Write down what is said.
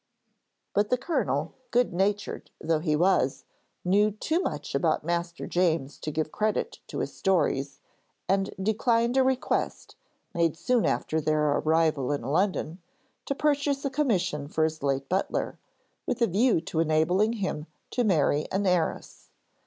But the Colonel, good natured though he was, knew too much about master James to give credit to his stories, and declined a request, made soon after their arrival in London, to purchase a commission for his late butler, with a view to enabling him to marry an heiress.